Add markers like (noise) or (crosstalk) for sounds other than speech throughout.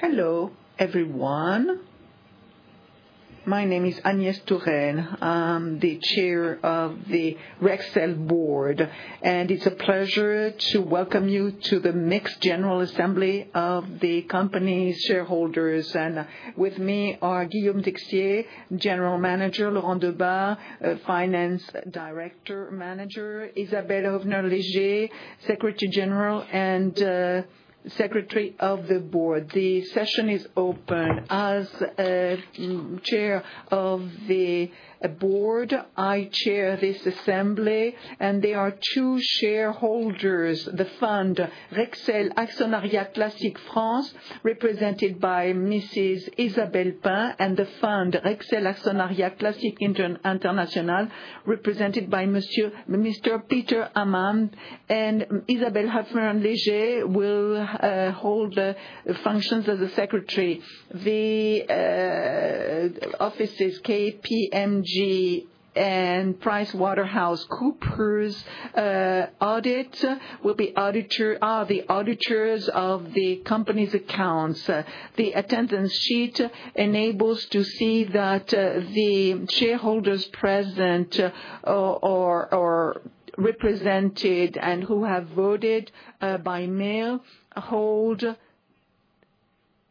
Hello, everyone. My name is Agnès Touraine, I'm the Chair of the Rexel Board, and it's a pleasure to welcome you to the mixed general assembly of the company's shareholders. With me are Guillaume Texier, General Manager, Laurent Delabarre, Finance Director Manager, Isabelle Hoepfner-Léger, Secretary General and Secretary of the Board. The session is open. As Chair of the Board, I chair this assembly, and there are two shareholders, the fund Rexel Actionnariat Classic France, represented by Mrs. Isabelle Pain, and the fund Rexel Actionnariat Classic International, represented by Mr. Peter Ammann. Isabelle Hoepfner-Léger will hold the functions of the secretary. The offices KPMG and PricewaterhouseCoopers are the auditors of the company's accounts. The attendance sheet enables to see that the shareholders present or represented and who have voted by mail hold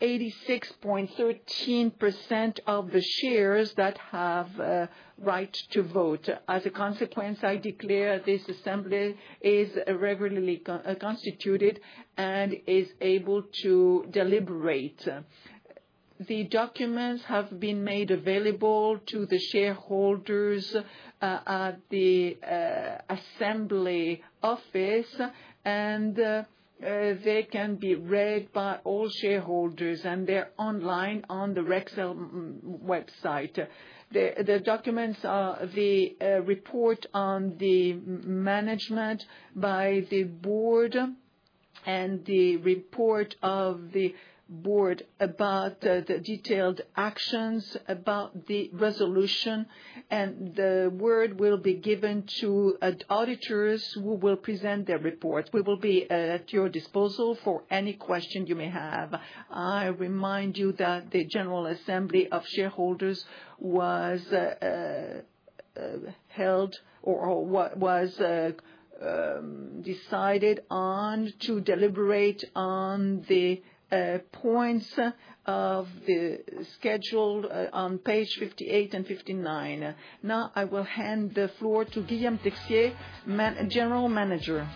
86.13% of the shares that have right to vote. As a consequence, I declare this assembly is regularly constituted and is able to deliberate. The documents have been made available to the shareholders at the assembly office, and they can be read by all shareholders, and they're online on the Rexel website. The documents are the report on the management by the Board and the report of the Board about the detailed actions about the resolution, and the word will be given to auditors who will present their reports. We will be at your disposal for any question you may have. I remind you that the General Assembly of Shareholders was held or was decided on to deliberate on the points of the schedule on page 58 and 59. Now I will hand the floor to Guillaume Texier, General Manager.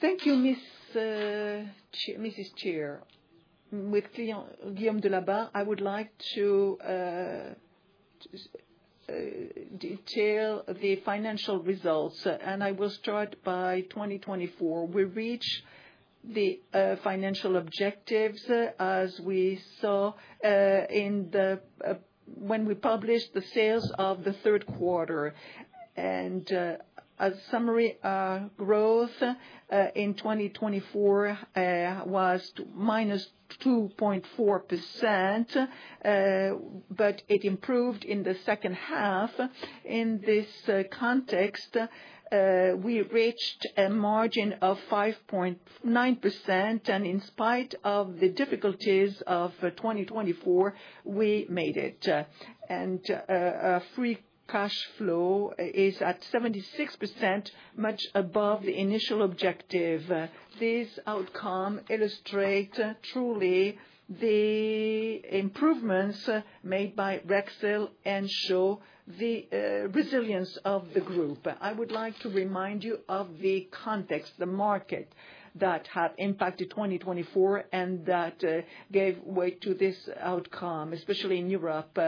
Thank you, miss Chair, Mrs. Chair. With Guillaume, Laurent Delabarre, I would like to detail the financial results, and I will start by 2024. We reach the financial objectives as we saw when we published the sales of the third quarter. And as summary, growth in 2024 was minus -2.4%, but it improved in the second half. In this context, we reached a margin of 5.9%, and in spite of the difficulties of 2024, we made it. Free cash flow is at 76%, much above the initial objective. This outcome illustrate truly the improvements made by Rexel and show the resilience of the group. I would like to remind you of the context, the market, that had impacted 2024 and that gave way to this outcome, especially in Europe.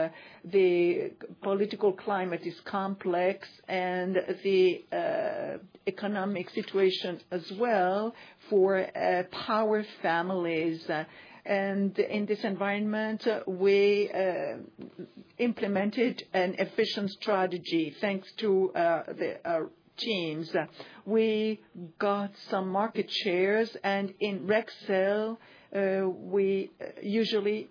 The political climate is complex and the economic situation as well for power families. In this environment, we implemented an efficient strategy, thanks to the teams. We got some market shares, and in Rexel we usually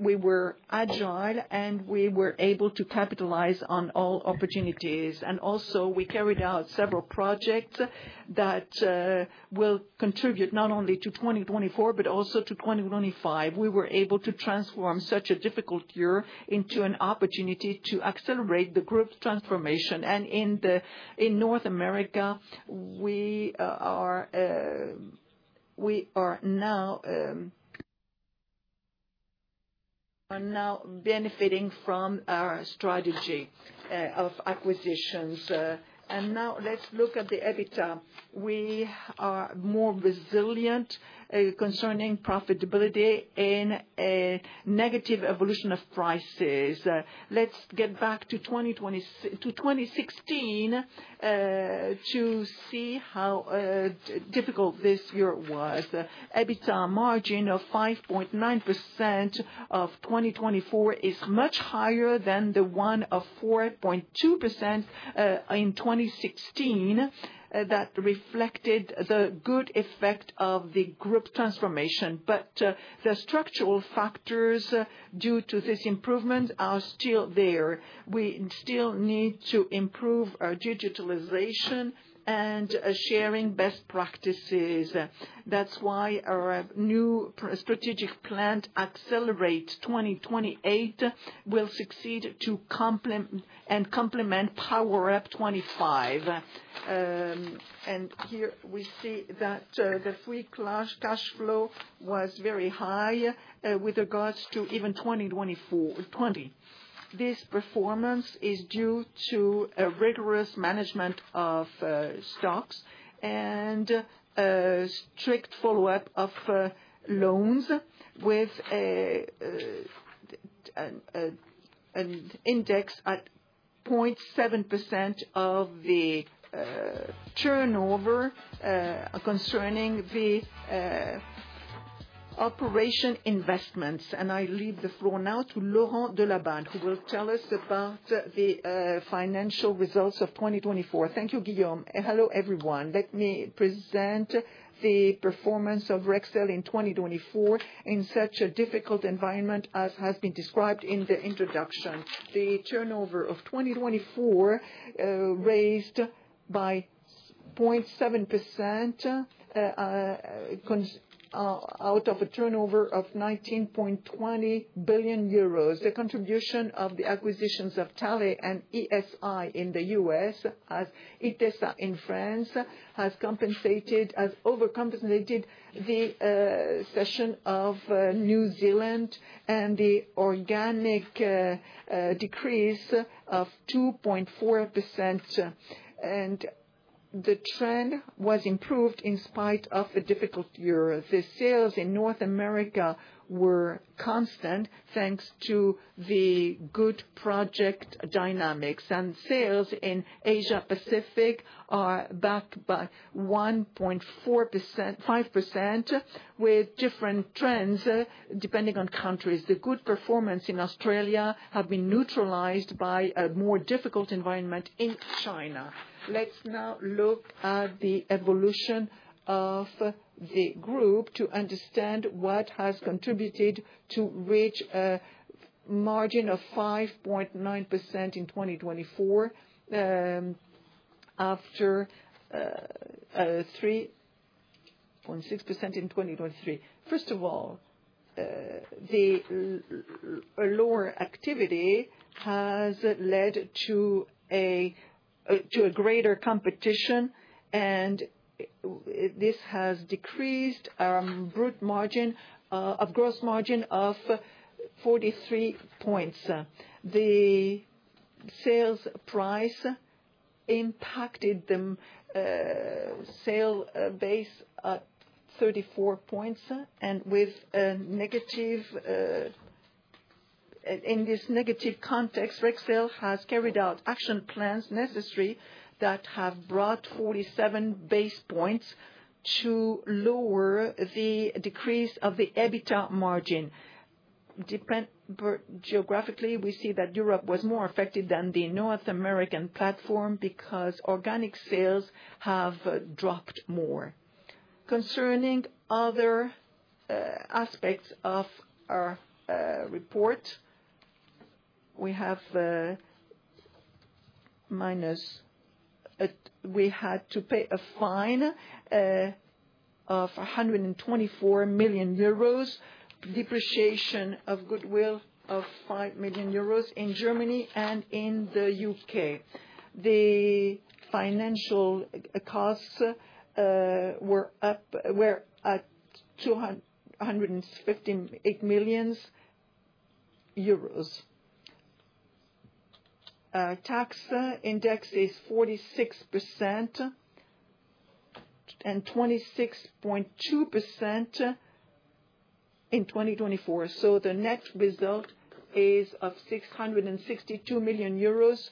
were agile, and we were able to capitalize on all opportunities. We also carried out several projects that will contribute not only to 2024 but also to 2025. We were able to transform such a difficult year into an opportunity to accelerate the group's transformation. And in North America, we are now benefiting from our strategy of acquisitions. And now let's look at the EBITDA. We are more resilient concerning profitability in a negative evolution of prices. Let's get back to 2016 to see how difficult this year was. EBITDA margin of 5.9% of 2024 is much higher than the one of 4.2% in 2016 that reflected the good effect of the group transformation. But the structural factors due to this improvement are still there. We still need to improve our digitalization and sharing best practices. That's why our new strategic plan, Axelerate 28, will succeed to complement, and complement PowerUP 2025. And here we see that the free cash flow was very high with regards to even 2024. This performance is due to a rigorous management of stocks and a strict follow-up of loans with an index at 0.7% of the turnover concerning the operation investments. I leave the floor now to Laurent Delabarre, who will tell us about the financial results of 2024. Thank you, Guillaume, and hello, everyone. Let me present the performance of Rexel in 2024. In such a difficult environment, as has been described in the introduction, the turnover of 2024 raised by 0.7%, constant out of a turnover of 19.20 billion euros. The contribution of the acquisitions of Talley and ESI in the U.S. and Itesa in France, has compensated, has overcompensated the cession of New Zealand and the organic decrease of 2.4%. And the trend was improved in spite of a difficult year. The sales in North America were constant, thanks to the good project dynamics. And sales in Asia Pacific are back by 1.4%, 5%, with different trends depending on countries. The good performance in Australia have been neutralized by a more difficult environment in China. Let's now look at the evolution of the group to understand what has contributed to reach a margin of 5.9% in 2024c after 3.6% in 2023. First of all, the lower activity has led to a greater competition, and this has decreased a gross margin of 43 points. The sales price impacted the sales base at 34 points, and with a negative... In this negative context, Rexel has carried out action plans necessary that have brought 47 basis points to lower the decrease of the EBITDA margin. Depending geographically, we see that Europe was more affected than the North American platform because organic sales have dropped more. Concerning other aspects of our report, we have minus. We had to pay a fine of 124 million euros, depreciation of goodwill of 5 million euros in Germany and in the U.K. The financial costs were at EUR 258 million. Tax index is 46% and 26.2% in 2024. The net result is of 662 million euros,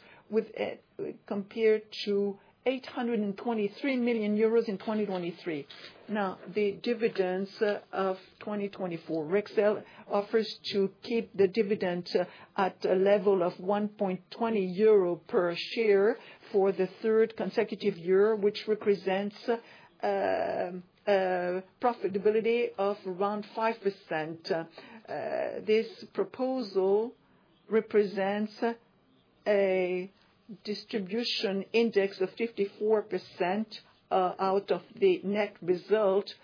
compared to 823 million euros in 2023. Now, the dividends of 2024. Rexel offers to keep the dividend at a level of 1.20 euro per share for the third consecutive year, which represents profitability of around 5%. This proposal represents a distribution index of 54% out of the net result,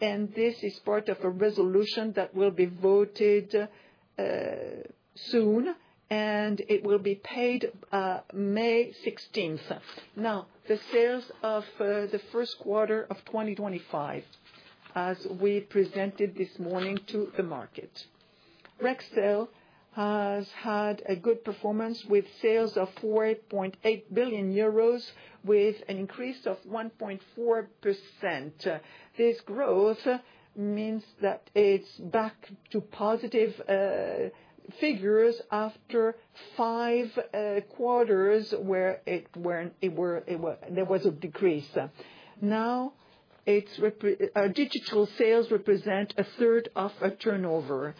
and this is part of a resolution that will be voted soon, and it will be paid May 16th. Now, the sales of the first quarter of 2025, as we presented this morning to the market. Rexel has had a good performance with sales of 4.8 billion euros with an increase of 1.4%. This growth means that it's back to positive figures after five quarters, where there was a decrease. Now, digital sales represent a third of a turnover.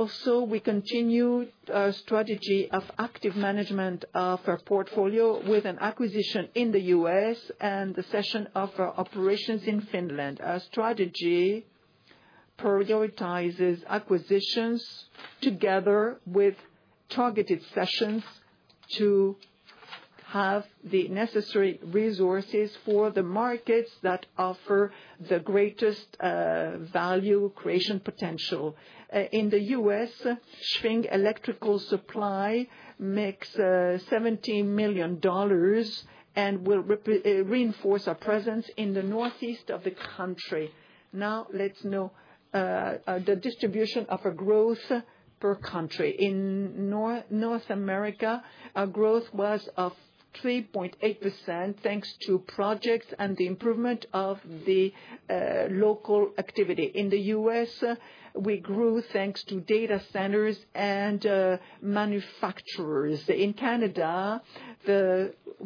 Also, we continue our strategy of active management of our portfolio with an acquisition in the U.S. and the cession of our operations in Finland. Our strategy prioritizes acquisitions together with targeted cessions to have the necessary resources for the markets that offer the greatest value creation potential. In the U.S., Schwing Electrical Supply makes $17 million and will reinforce our presence in the northeast of the country. Now let's know the distribution of our growth per country. In North America, our growth was of 3.8% thanks to projects and the improvement of the local activity. In the U.S., we grew thanks to data centers and manufacturers. In Canada,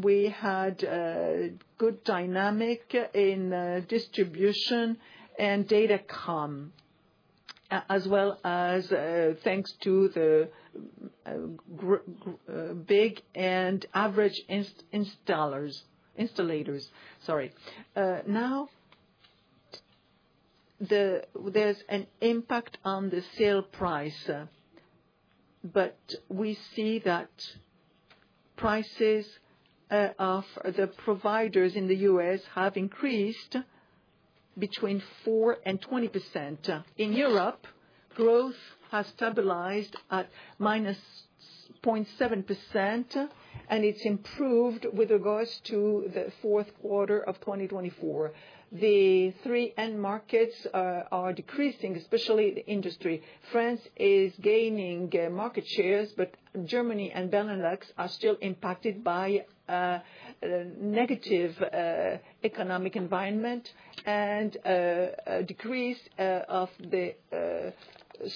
we had a good dynamic in distribution and Datacom, as well as thanks to the big and average installers, installators, sorry. Now, there's an impact on the sale price, but we see that prices of the providers in the U.S. have increased between 4% and 20%. In Europe, growth has stabilized at -0.7%, and it's improved with regards to the fourth quarter of 2024. The three-end markets are decreasing, especially the industry. France is gaining market shares, but Germany and Benelux are still impacted by negative economic environment and a decrease of the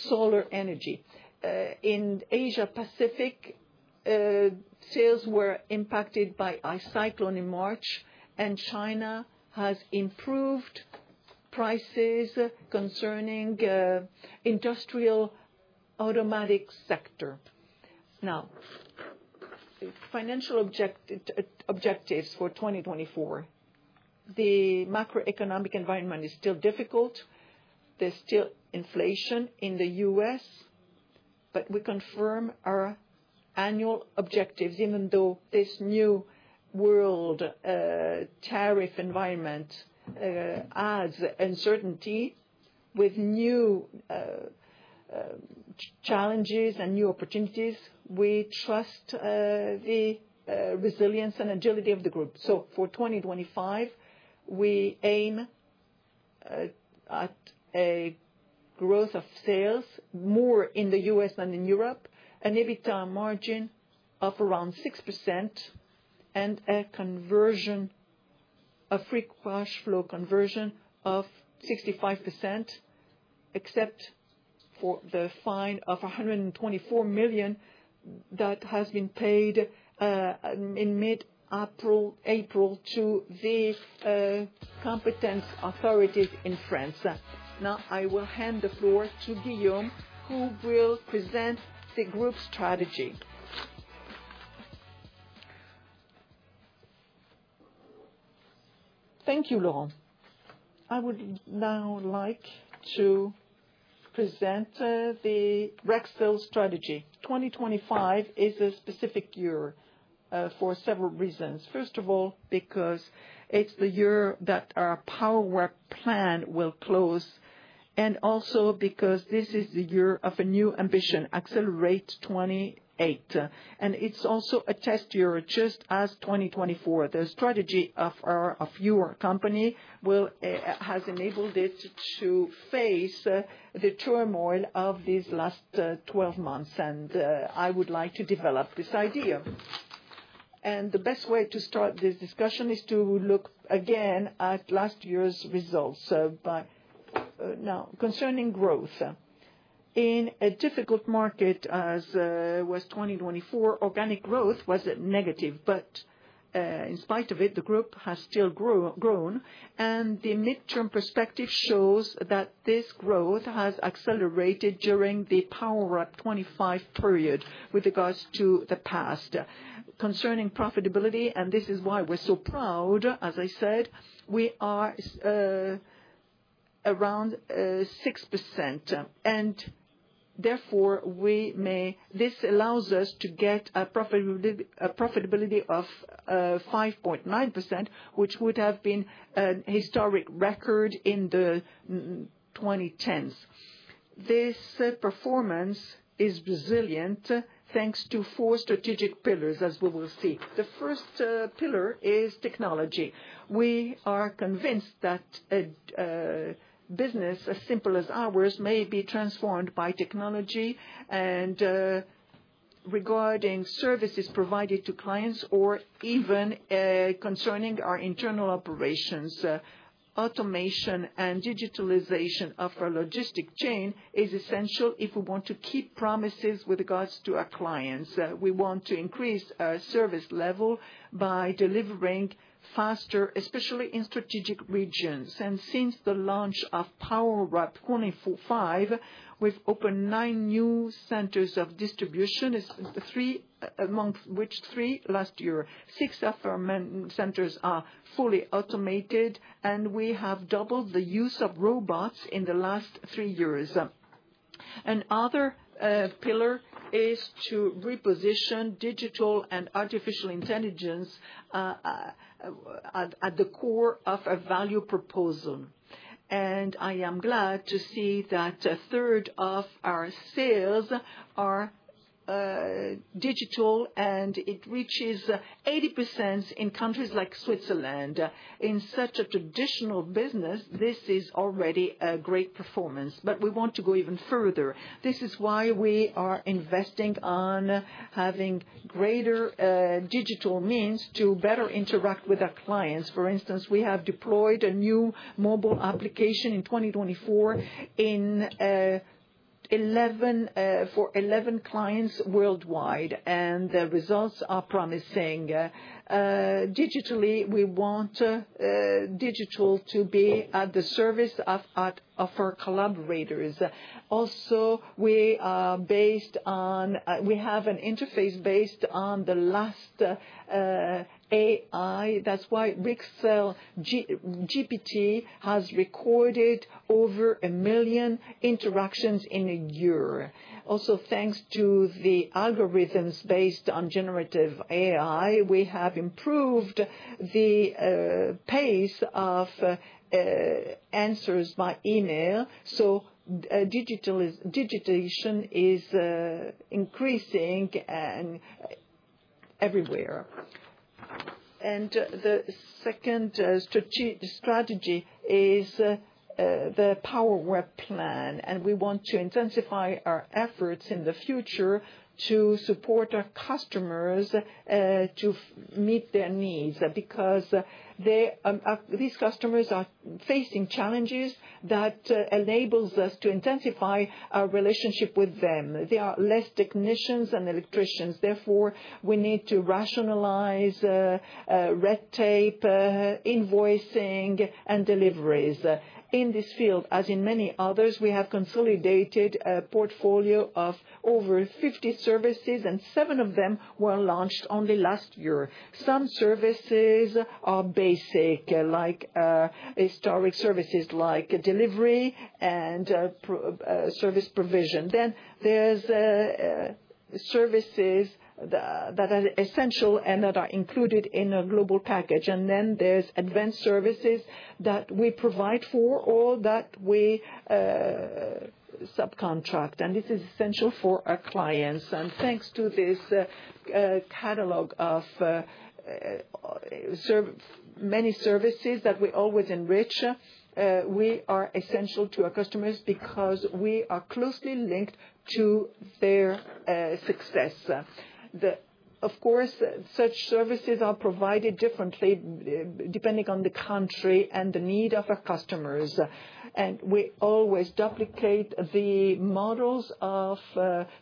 solar energy. In Asia Pacific, sales were impacted by a cyclone in March, and China has improved prices concerning industrial automation sector. Now, financial objectives for 2024. The macroeconomic environment is still difficult. There's still inflation in the U.S., but we confirm our annual objectives, even though this new world tariff environment adds uncertainty. With new challenges and new opportunities, we trust the resilience and agility of the group. For 2025, we aim at a growth of sales, more in the U.S. than in Europe, an EBITDA margin of around 6% and a free cash flow conversion of 65%, except for the fine of 124 million that has been paid in mid-April to the competition authority in France. Now, I will hand the floor to Guillaume, who will present the group's strategy. Thank you, Laurent. I would now like to present the Rexel strategy. 2025 is a specific year for several reasons. First of all, because it is the year that our PowerUP plan will close, and also because this is the year of a new ambition, Axelerate 28. It is also a test year, just as 2024. The strategy of your company has enabled it to face the turmoil of these last twelve months, and I would like to develop this idea. The best way to start this discussion is to look again at last year's results, now concerning growth. In a difficult market, as was 2024, organic growth was negative, but in spite of it, the group has still grown, and the midterm perspective shows that this growth has accelerated during the PowerUP 2025 period with regards to the past. Concerning profitability, and this is why we're so proud, as I said, we are around 6%, and therefore this allows us to get a profitability of 5.9%, which would have been an historic record in the 2010. This performance is resilient thanks to four strategic pillars, as we will see. The first pillar is technology. We are convinced that a business as simple as ours may be transformed by technology and regarding services provided to clients or even concerning our internal operations. Automation and digitalization of our logistic chain is essential if we want to keep promises with regards to our clients. We want to increase our service level by delivering faster, especially in strategic regions. Since the launch of PowerUP 2025, we've opened nine new centers of distribution among which three last year. Six of our main centers are fully automated, and we have doubled the use of robots in the last three years. Another pillar is to reposition digital and artificial intelligence at the core of a value proposition. I am glad to see that a third of our sales are digital, and it reaches 80% in countries like Switzerland. In such a traditional business, this is already a great performance, but we want to go even further. This is why we are investing on having greater digital means to better interact with our clients. For instance, we have deployed a new mobile application in 2024 for 11 clients worldwide, and the results are promising. Digitally, we want digital to be at the service of our collaborators. Also, we have an interface based on the latest AI. That's why RexelGPT has recorded over one million interactions in a year. Also, thanks to the algorithms based on generative AI, we have improved the pace of answers by email. So, digitalization is increasing and everywhere. The second strategy is the PowerUP plan, and we want to intensify our efforts in the future to support our customers to meet their needs. Because they, these customers are facing challenges that enables us to intensify our relationship with them. There are less technicians and electricians, therefore, we need to rationalize red tape, invoicing, and deliveries. In this field, as in many others, we have consolidated a portfolio of over fifty services, and seven of them were launched only last year. Some services are basic, like historic services, like delivery and pro service provision. Then there's services that are essential and that are included in a global package. And then there's advanced services that we provide for or that we subcontract, and this is essential for our clients. And thanks to this catalog of many services that we always enrich, we are essential to our customers because we are closely linked to their success. Of course, such services are provided differently, depending on the country and the need of our customers, and we always duplicate the models of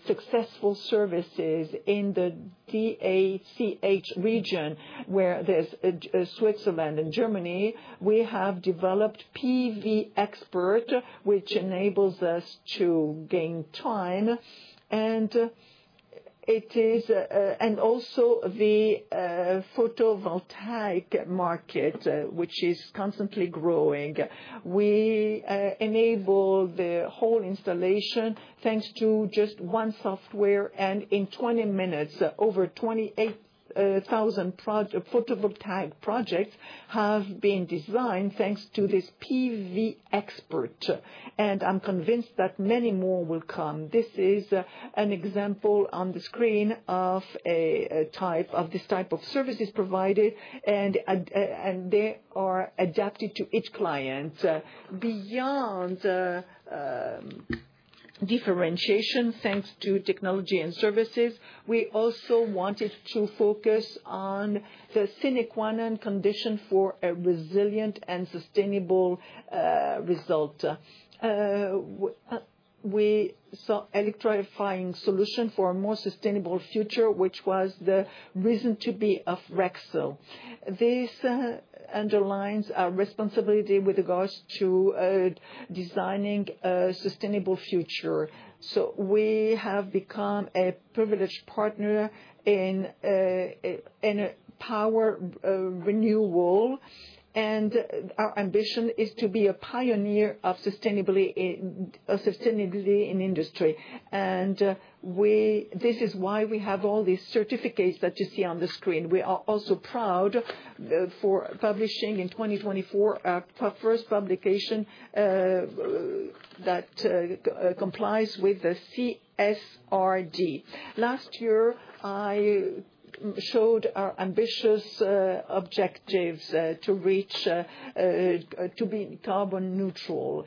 successful services in the DACH region, where there's Switzerland and Germany. We have developed PV Expert, which enables us to gain time, and it is and also the photovoltaic market, which is constantly growing. We enable the whole installation thanks to just one software, and in 20 minutes, over 28 thousand projects, photovoltaic projects have been designed thanks to this PV Expert, and I'm convinced that many more will come. This is an example on the screen of a type of this type of services provided, and they are adapted to each client. Beyond differentiation, thanks to technology and services, we also wanted to focus on the sine qua non condition for a resilient and sustainable result. We sell electrifying solutions for a more sustainable future, which was the reason to be of Rexel. This underlines our responsibility with regards to designing a sustainable future. So we have become a privileged partner in a power renewal, and our ambition is to be a pioneer of sustainability in industry. And we, this is why we have all these certificates that you see on the screen. We are also proud for publishing in 2024, our first publication that complies with the CSRD. Last year, I showed our ambitious objectives to be carbon neutral.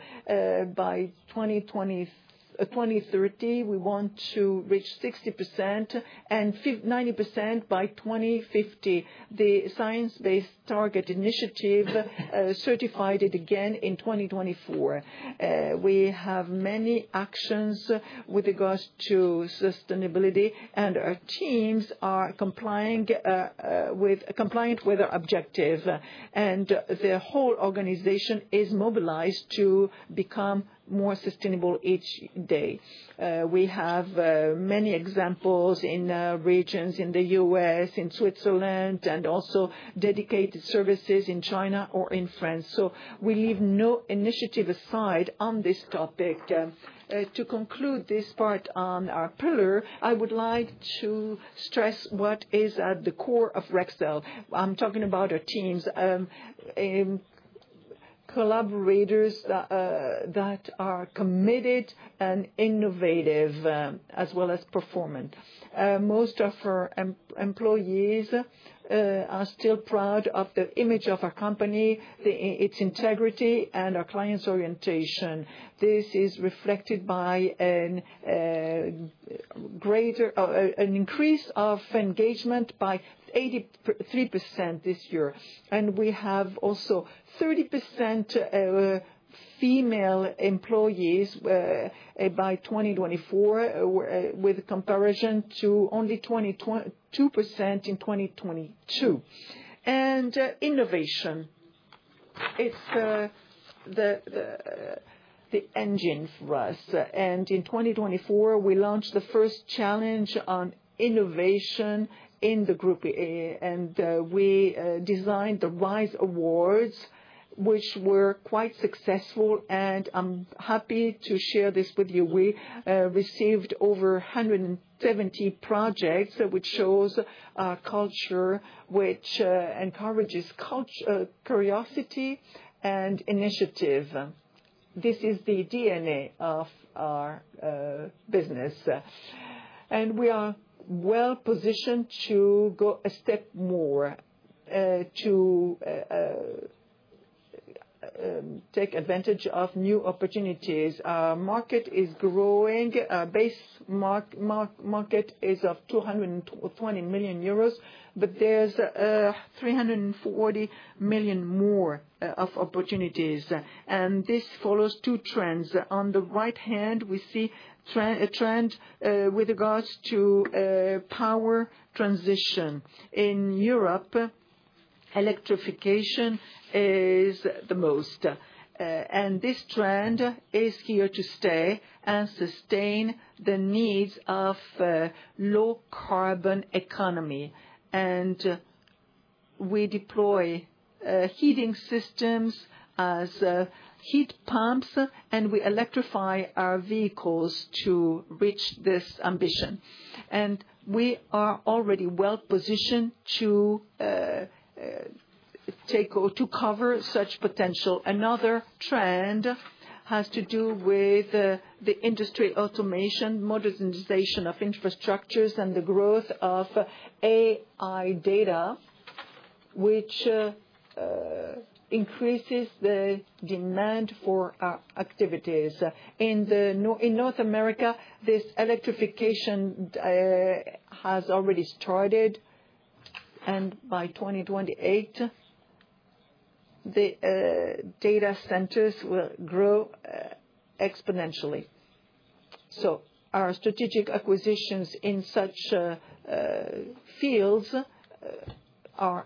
By 2030, we want to reach 60%, and 90% by 2050. The Science Based Targets Initiative certified it again in 2024. We have many actions with regards to sustainability, and our teams are compliant with our objective, and the whole organization is mobilized to become more sustainable each day. We have many examples in regions in the U.S., in Switzerland, and also dedicated services in China or in France, so we leave no initiative aside on this topic. To conclude this part on our pillar, I would like to stress what is at the core of Rexel. I'm talking about our teams. Collaborators that are committed and innovative, as well as performant. Most of our employees are still proud of the image of our company, its integrity, and our client's orientation. This is reflected by a greater increase of engagement by 83% this year, and we have also 30% female employees by 2024, with comparison to only 2% in 2022, and innovation. It's the engine for us. And in 2024, we launched the first challenge on innovation in the group, and we designed the Rise Awards, which were quite successful, and I'm happy to share this with you. We received over 170 projects, which shows our culture, which encourages curiosity and initiative. This is the DNA of our business, and we are well positioned to go a step more, to take advantage of new opportunities. Our market is growing. Our base market is of 220 million euros, but there's 340 million more of opportunities. And this follows two trends. On the right hand, we see a trend with regards to power transition. In Europe, electrification is the most, and this trend is here to stay and sustain the needs of, low-carbon economy. And we deploy, heating systems as, heat pumps, and we electrify our vehicles to reach this ambition. And we are already well positioned to, take or to cover such potential. Another trend has to do with, the industry automation, modernization of infrastructures, and the growth of AI data, which, increases the demand for our activities. In North America, this electrification, has already started, and by 2028, the data centers will grow, exponentially. So our strategic acquisitions in such, fields, are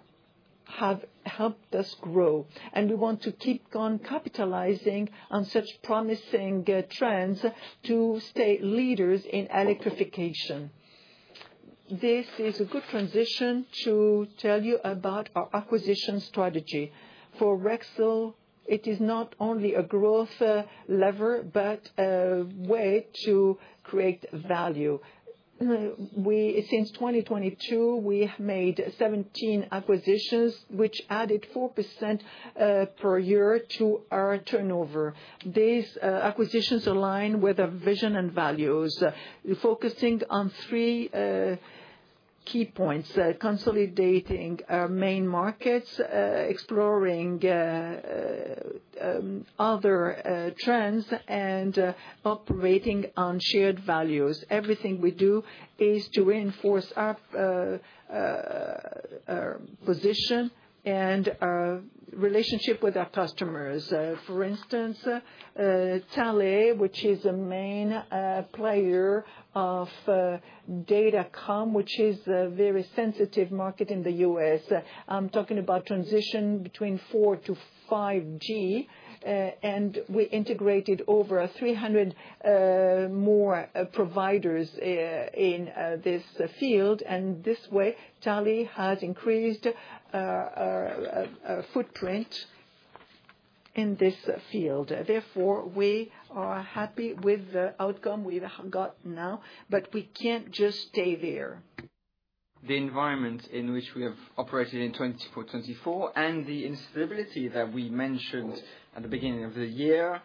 have helped us grow, and we want to keep on capitalizing on such promising, trends to stay leaders in electrification. This is a good transition to tell you about our acquisition strategy. For Rexel, it is not only a growth lever, but a way to create value. We since 2022, we have made 17 acquisitions, which added 4% per year to our turnover. These acquisitions align with our vision and values, focusing on 3 key points: consolidating our main markets, exploring other trends, and operating on shared values. Everything we do is to reinforce our position and our relationship with our customers. For instance, Talley, which is a main player of Datacom, which is a very sensitive market in the U.S. I'm talking about transition between 4G to 5G, and we integrated over three hundred more providers in this field, and this way, Talley has increased footprint in this field. Therefore, we are happy with the outcome we've gotten now, but we can't just stay there. The environment in which we have operated in 2024, and the instability that we mentioned at the beginning of the year,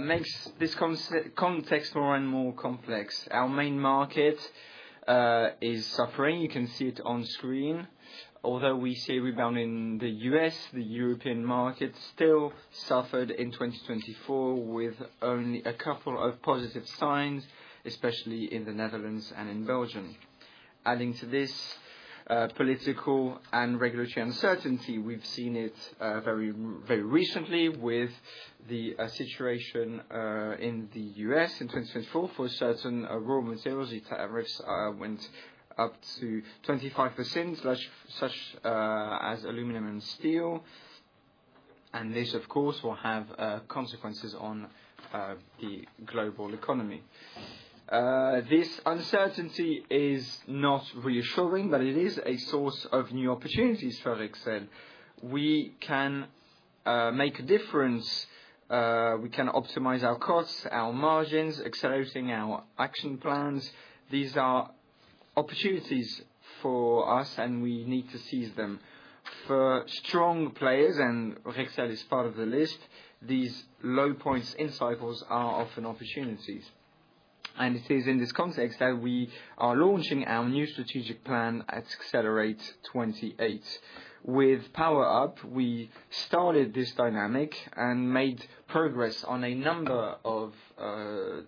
makes this context more and more complex. Our main market is suffering. You can see it on screen. Although we see a rebound in the U.S., the European market still suffered in 2024, with only a couple of positive signs, especially in the Netherlands and in Belgium. Adding to this, political and regulatory uncertainty, we've seen it very, very recently with the situation in the U.S. in 2024. For certain raw materials, the tariffs went up to 25%, such as aluminum and steel, and this, of course, will have consequences on the global economy. This uncertainty is not reassuring, but it is a source of new opportunities for Rexel. We can make a difference, we can optimize our costs, our margins, accelerating our action plans. These are opportunities for us, and we need to seize them. For strong players, and Rexel is part of the list, these low points in cycles are often opportunities. And it is in this context that we are launching our new strategic plan at Axelerate 28. With PowerUP, we started this dynamic and made progress on a number of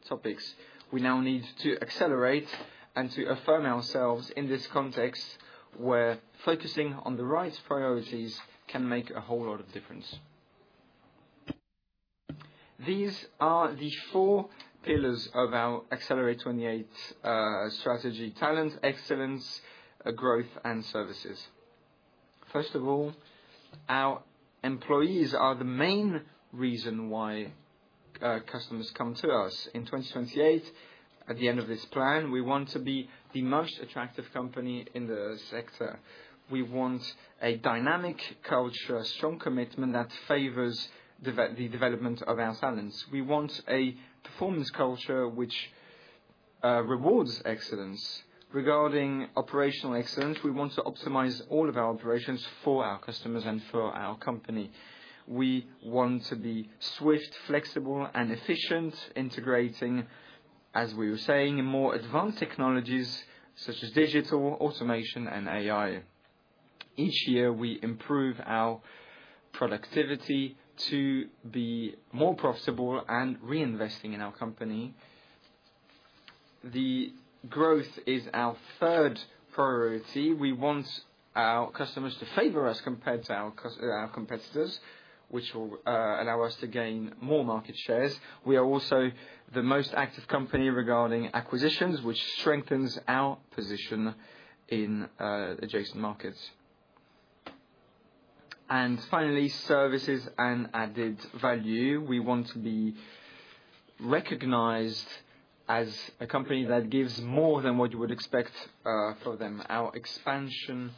topics. We now need to accelerate and to affirm ourselves in this context, where focusing on the right priorities can make a whole lot of difference. These are the four pillars of our Axelerate 28 strategy: talent, excellence, growth, and services. First of all, our employees are the main reason why customers come to us. In 2028, at the end of this plan, we want to be the most attractive company in the sector. We want a dynamic culture, strong commitment that favors the development of our talents. We want a performance culture which rewards excellence. Regarding operational excellence, we want to optimize all of our operations for our customers and for our company. We want to be swift, flexible, and efficient, integrating, as we were saying, more advanced technologies such as digital, automation, and AI. Each year, we improve our productivity to be more profitable and reinvesting in our company. The growth is our third priority. We want our customers to favor us compared to our competitors, which will allow us to gain more market shares. We are also the most active company regarding acquisitions, which strengthens our position in adjacent markets. And finally, services and added value. We want to be recognized as a company that gives more than what you would expect, for them. Our expansion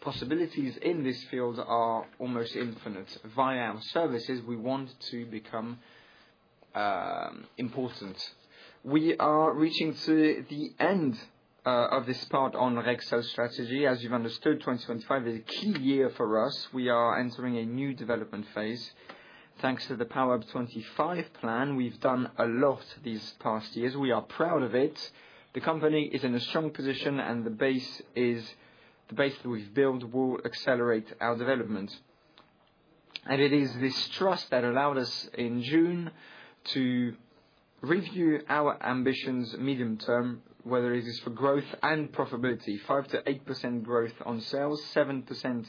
possibilities in this field are almost infinite. Via our services, we want to become important. We are reaching to the end, of this part on Rexel strategy. As you've understood, 2025 is a key year for us. We are entering a new development phase. Thanks to the PowerUP 2025 plan, we've done a lot these past years. We are proud of it. The company is in a strong position, and the base that we've built will accelerate our development. And it is this trust that allowed us in June to review our ambitions medium term, whether it is for growth and profitability, 5%-8% growth on sales, 7%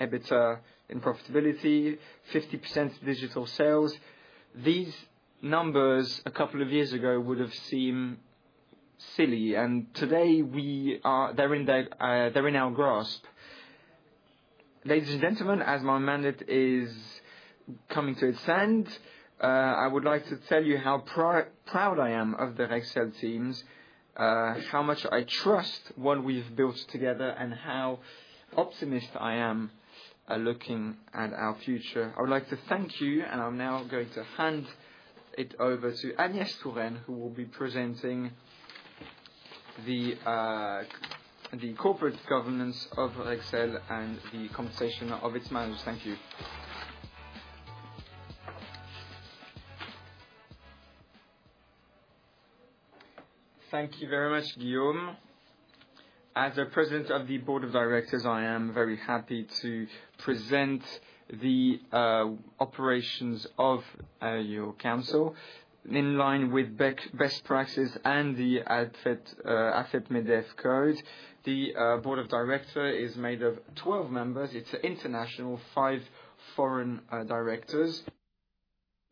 EBITDA in profitability, 50% digital sales. These numbers, a couple of years ago, would have seemed silly, and today we are. They're in our grasp. Ladies and gentlemen, as my mandate is coming to its end, I would like to tell you how proud I am of the Rexel teams, how much I trust what we've built together, and how optimistic I am at looking at our future. I would like to thank you, and I'm now going to hand it over to Agnès Touraine, who will be presenting the corporate governance of Rexel and the compensation of its managers. Thank you. Thank you very much, Guillaume. As the president of the Board of Directors, I am very happy to present the operations of your company. In line with best practices and the AFEP-MEDEF Code, the Board of Directors is made of 12 members. It's international, five foreign directors,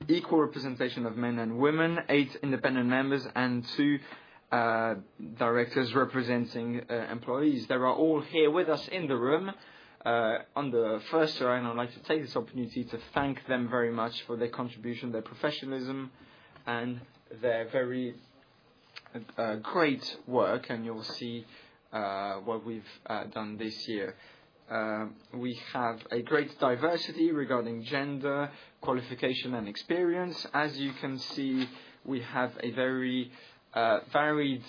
equal representation of men and women, eight independent members, and two directors representing employees. They are all here with us in the room. On the first order, I'd like to take this opportunity to thank them very much for their contribution, their professionalism, and their very great work, and you'll see what we've done this year. We have a great diversity regarding gender, qualification, and experience. As you can see, we have a very varied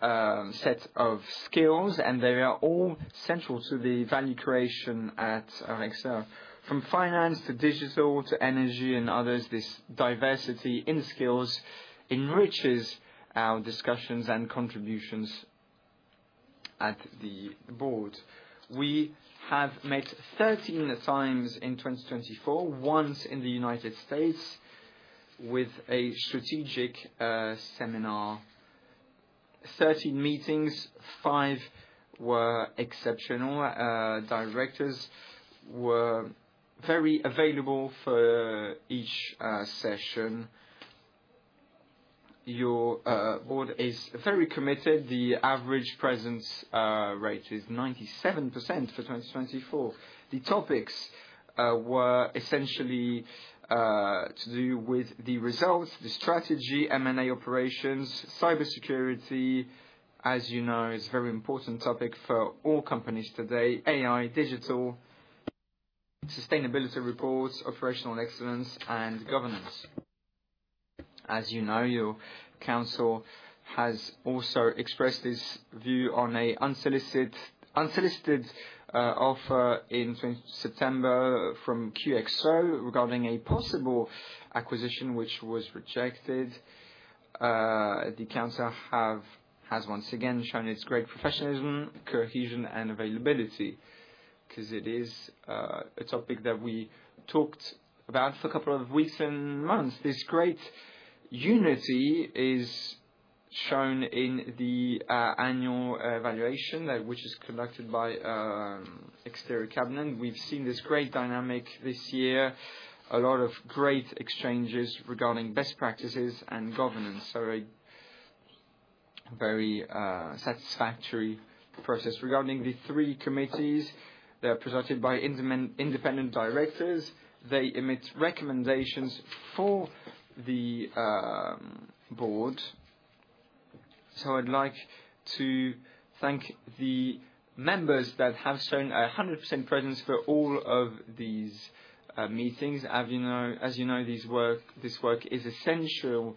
set of skills, and they are all central to the value creation at Rexel. From finance to digital to energy and others, this diversity in skills enriches our discussions and contributions at the Board. We have met 13x in 2024, once in the United States, with a strategic seminar. 13 meetings, five were exceptional. Directors were very available for each session. Your Board is very committed. The average presence rate is 97% for 2024. The topics were essentially to do with the results, the strategy, M&A operations, cybersecurity, as you know, is a very important topic for all companies today, AI, digital, sustainability reports, operational excellence, and governance. As you know, your Board has also expressed its view on an unsolicited offer in September from QXO regarding a possible acquisition, which was rejected. The council has once again shown its great professionalism, cohesion, and availability, because it is a topic that we talked about for a couple of weeks and months. This great unity is shown in the annual evaluation that which is conducted by external cabinet. We've seen this great dynamic this year, a lot of great exchanges regarding best practices and governance. So a very satisfactory process. Regarding the three committees, they are presented by independent directors. They emit recommendations for the Board. So I'd like to thank the members that have shown 100% presence for all of these meetings. As you know, this work is essential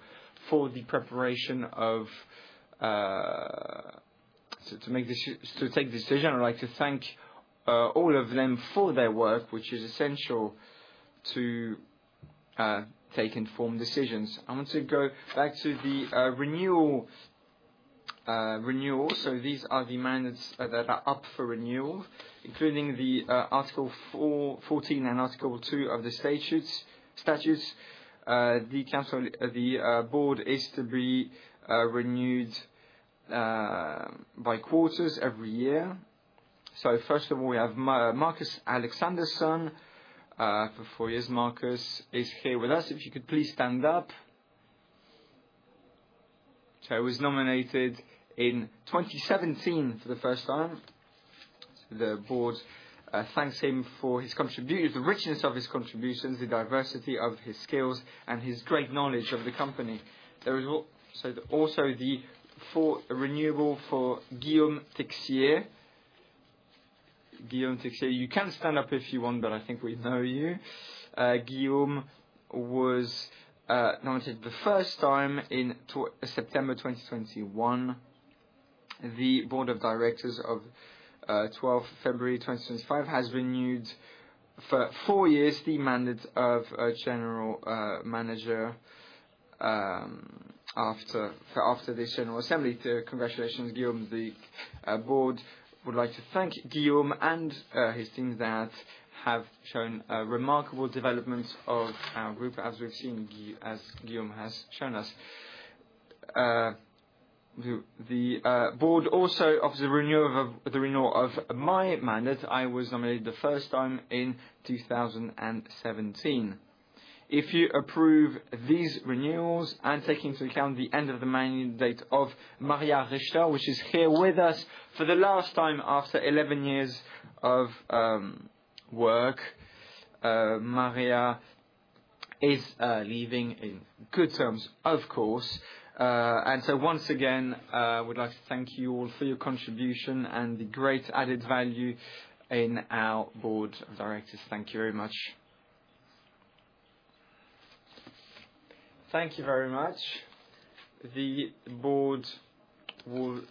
for the preparation of to make decisions, to take decision. I'd like to thank all of them for their work, which is essential to take informed decisions. I want to go back to the renewal. So these are the mandates that are up for renewal, including the Article 14 and Article 2 of the statutes. The Board is to be renewed by quarters every year. So first of all, we have Marcus Alexanderson for four years. Marcus is here with us. If you could please stand up. So he was nominated in 2017 for the first time. The Board thanks him for the richness of his contributions, the diversity of his skills, and his great knowledge of the company. There is also the for renewable for Guillaume Texier. Guillaume Texier, you can stand up if you want, but I think we know you. Guillaume was nominated the first time in September 2021. The Board of Directors of February 12, 2025, has renewed for four years the mandate of our general manager after this general assembly. So congratulations, Guillaume. The Board would like to thank Guillaume and his team that have shown a remarkable development of our group, as we've seen as Guillaume has shown us. The Board also offers the renewal of my mandate. I was nominated the first time in 2017. If you approve these renewals and take into account the end of the mandate of Maria Richter, which is here with us for the last time after 11 years of work. Maria is leaving in good terms, of course, and so once again, I would like to thank you all for your contribution and the great added value in our Board of Directors. Thank you very much. Thank you very much. The Board will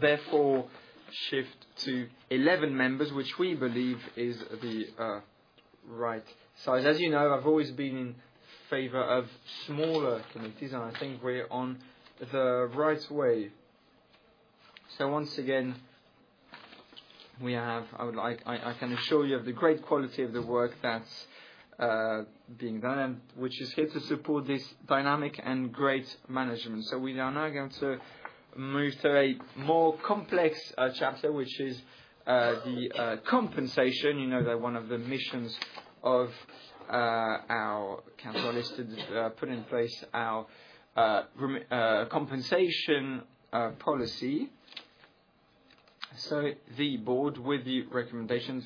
therefore shift to 11 members, which we believe is the right size. As you know, I've always been in favor of smaller committees, and I think we're on the right way. So once again, I would like. I can assure you of the great quality of the work that's being done, and which is here to support this dynamic and great management. So we are now going to move to a more complex chapter, which is the compensation. You know that one of the missions of our council is to put in place our compensation policy. So the Board, with the recommendations,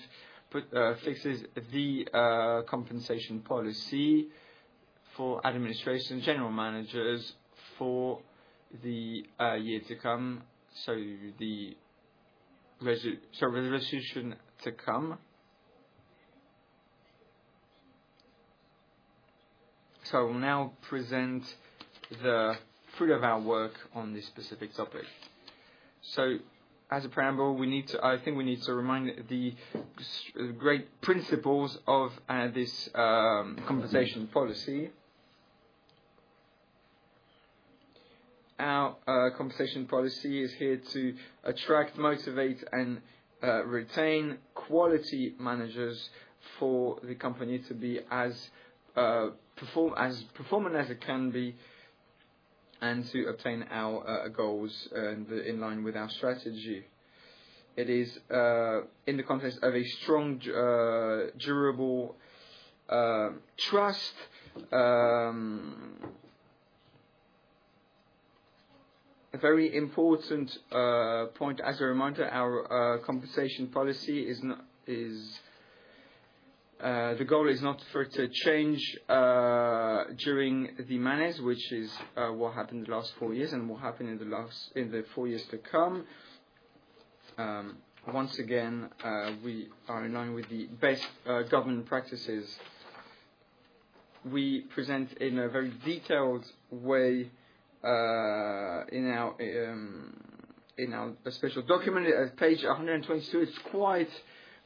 put fixes the compensation policy for administration, general managers for the year to come, so the resolution to come. So now present the fruit of our work on this specific topic. So as a preamble, we need to. I think we need to remind the great principles of this compensation policy. Our compensation policy is here to attract, motivate, and retain quality managers for the company to be as perform, as performing as it can be, and to obtain our goals in line with our strategy. It is in the context of a strong, durable, trust. A very important point as a reminder, our compensation policy is not. The goal is not for it to change during the mandate, which is what happened the last four years and will happen in the last in the four years to come. Once again, we are in line with the best governance practices. We present in a very detailed way in our a special document at page 122. It's quite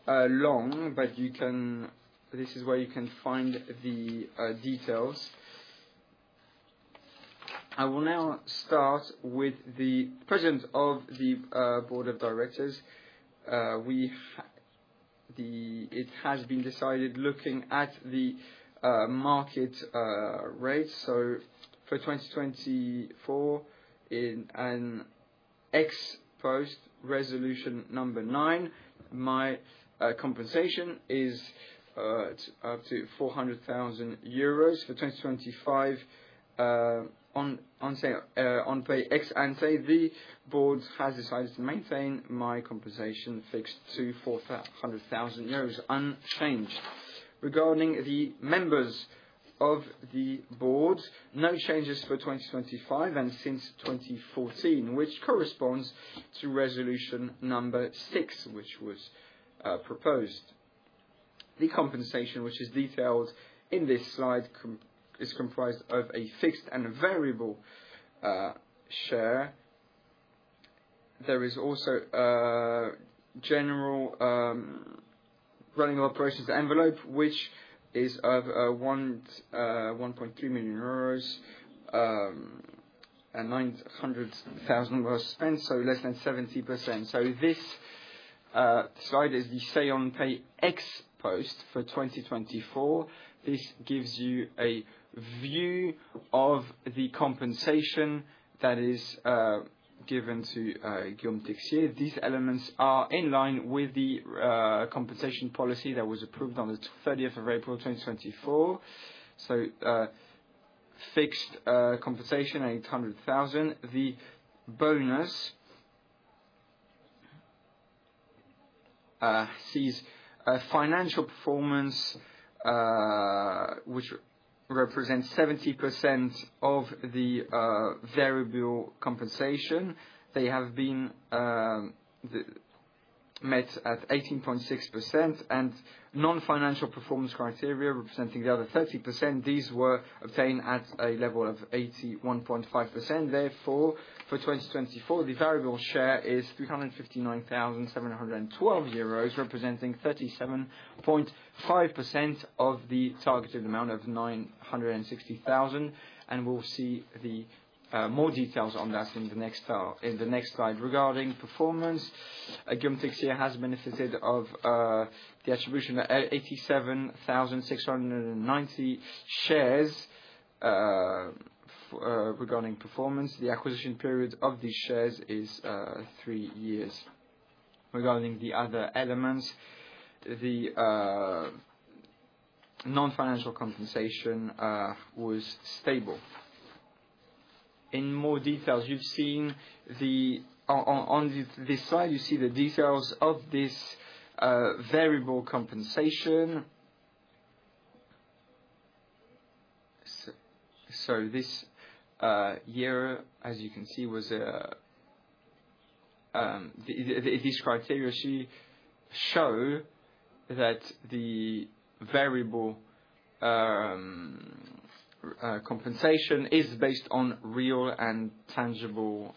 long, but you can, this is where you can find the details. I will now start with the presence of the Board of Directors. It has been decided, looking at the, market, rates, so for 2024, in an ex-post resolution number 9, my, compensation is, up to 400,000 euros. For 2025, on Say on Pay ex-ante, the Board has decided to maintain my compensation fixed to 400,000 euros unchanged. Regarding the members of the Board, no changes for 2025 and since 2014, which corresponds to resolution number 6, which was, proposed. The compensation, which is detailed in this slide, is comprised of a fixed and variable, share. There is also a general, running operations envelope, which is of, one, 1.2 million euros, and 900,000 was spent, so less than 70%. So this slide is the Say on Pay ex-post for 2024. This gives you a view of the compensation that is given to Guillaume Texier. These elements are in line with the compensation policy that was approved on the 13th of April, 2024. So fixed compensation, 800,000. The bonus sees a financial performance, which represents 70% of the variable compensation. They have been met at 18.6%, and non-financial performance criteria, representing the other 30%, these were obtained at a level of 81.5%. Therefore, for 2024, the variable share is 359,712 euros, representing 37.5% of the targeted amount of 960,000, and we'll see more details on that in the next slide. Regarding performance, Guillaume Texier has benefited of the attribution of 87,690 shares. Regarding performance, the acquisition period of these shares is three years. Regarding the other elements, the non-financial compensation was stable. In more details, you've seen the. On this slide, you see the details of this variable compensation. So this year, as you can see, was a, the, these criteria actually show that the variable compensation is based on real and tangible,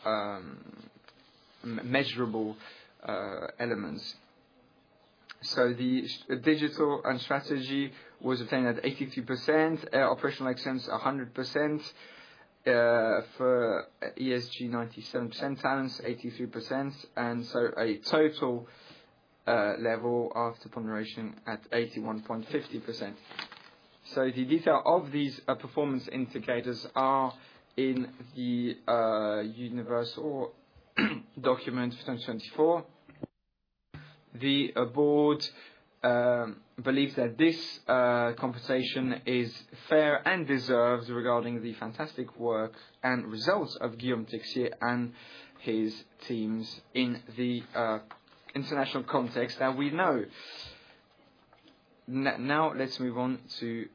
measurable, elements. So the digital and strategy was obtained at 82%, operational excellence, 100%, for ESG, 97%, talents, 83%, and so a total, level after ponderation at 81.50%. So the detail of these, performance indicators are in the, universal document 2024. The Board, believes that this, compensation is fair and deserved regarding the fantastic work and results of Guillaume Texier and his teams in the, international context that we know. Now, let's move on to,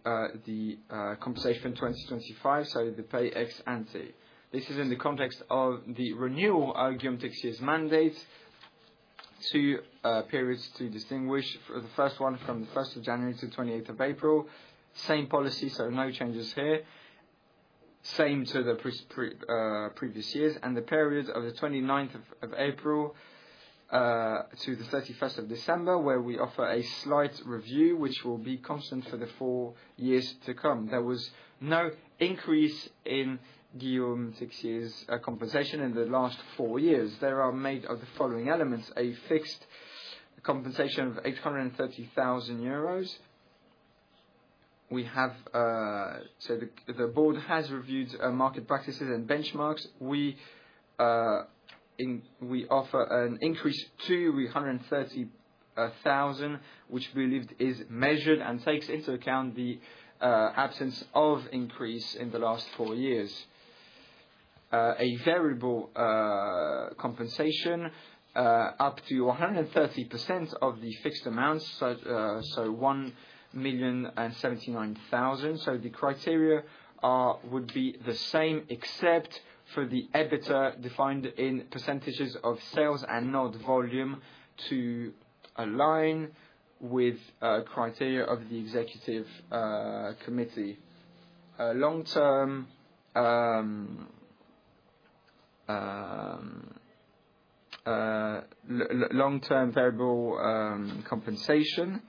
the, compensation 2025, so the pay ex-ante. This is in the context of the renewal of Guillaume Texier's mandate. Two periods to distinguish. For the first one, from the 1st of January to 28th of April, same policy, so no changes here. Same to the previous years, and the period of the 29th of April to the 31st of December, where we offer a slight review, which will be constant for the four years to come. There was no increase in Guillaume Texier's compensation in the last four years. They are made of the following elements: a fixed compensation of 830,000 euros. We have... So the Board has reviewed market practices and benchmarks. We offer an increase to 330,000, which we believe is measured and takes into account the absence of increase in the last four years. A variable compensation up to 130% of the fixed amount, so 1,079,000. So the criteria are, would be the same, except for the EBITDA, defined in percentages of sales and not volume, to align with criteria of the executive committee. Long-term variable compensation.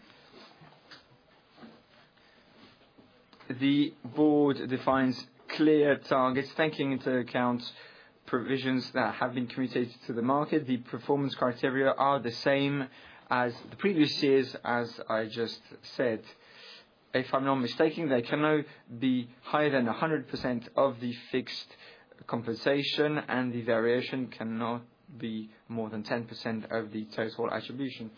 The Board defines clear targets, taking into account provisions that have been communicated to the market. The performance criteria are the same as the previous years, as I just said. If I'm not mistaken, they cannot be higher than 100% of the fixed compensation, and the variation cannot be more than 10% of the total attribution.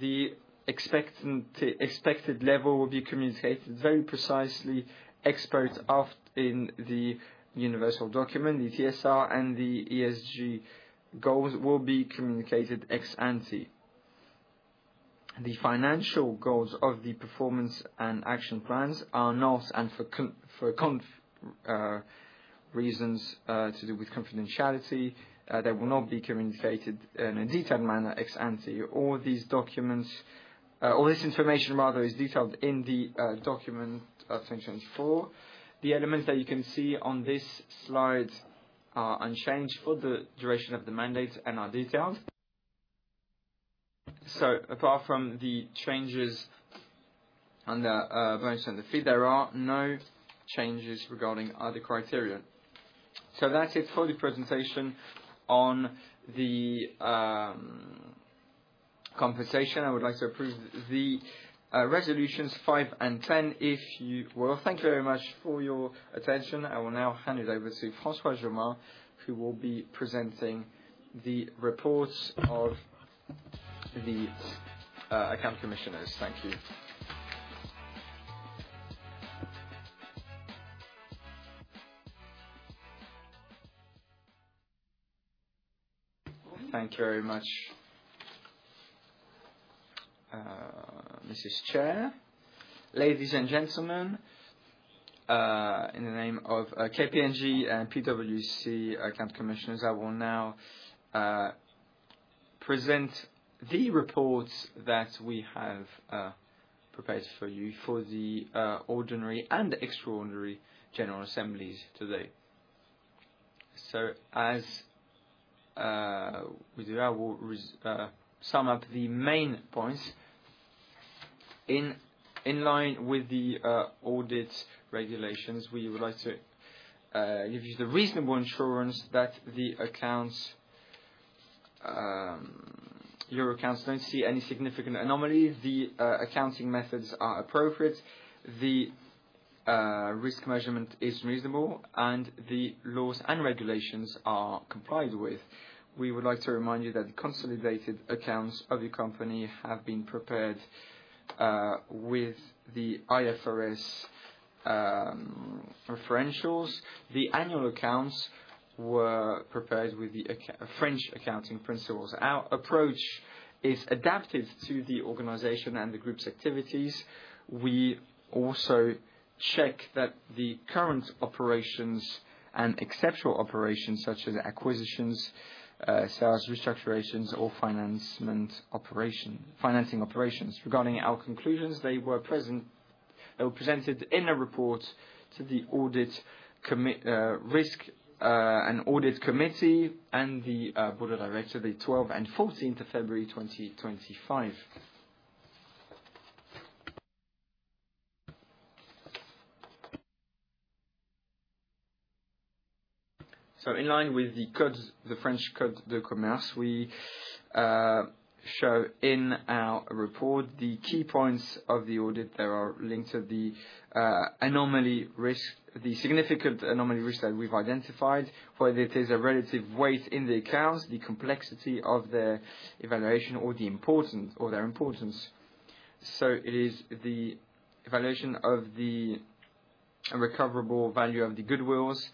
The expected level will be communicated very precisely. Experts are in the universal document, the TSR and the ESG goals will be communicated ex ante. The financial goals of the performance and action plans are not, and for reasons to do with confidentiality, they will not be communicated in a detailed manner, ex-ante. All these documents, all this information rather, is detailed in the document of 2024. The elements that you can see on this slide are unchanged for the duration of the mandate and are detailed. So apart from the changes under vote and the fee, there are no changes regarding other criteria. So that's it for the presentation on the compensation. I would like to approve the resolutions five and ten, if you will. Thank you very much for your attention. I will now hand it over to François Germain, who will be presenting the reports of the account commissioners. Thank you. Thank you very much. Mrs. Chair, ladies and gentlemen, in the name of KPMG and PwC (audio distortion) commissioners, I will now present the reports that we have prepared for you for the ordinary and extraordinary general assemblies today. So as we do, I will sum up the main points. In line with the audit regulations, we would like to give you the reasonable assurance that the accounts, your accounts don't see any significant anomaly. The accounting methods are appropriate, the risk measurement is reasonable, and the laws and regulations are complied with. We would like to remind you that the consolidated accounts of the company have been prepared with the IFRS standards. The annual accounts were prepared with the French accounting principles. Our approach is adapted to the organization and the group's activities. We also check that the current operations and exceptional operations, such as acquisitions, sales, restructurings, or financing operations. Regarding our conclusions, they were presented in a report to the audit and risk committee and the Board of Directors, the 12th and 14th of February 2025. In line with the code, the French Code de Commerce, we show in our report the key points of the audit. There are risks of the anomaly risk, the significant anomaly risk that we've identified, whether it is a relative weight in the accounts, the complexity of their evaluation, or the importance, or their importance. It is the evaluation of the recoverable value of the goodwills.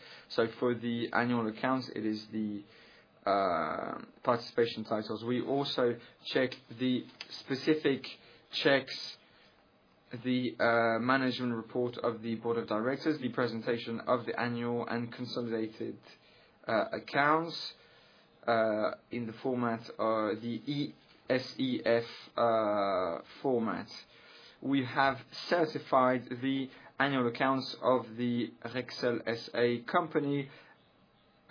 For the annual accounts, it is the participation titles. We also check the specific checks, the management report of the Board of Directors, the presentation of the annual and consolidated accounts in the format of the ESEF format. We have certified the annual accounts of the Rexel S.A. company